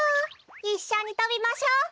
いっしょにとびましょう。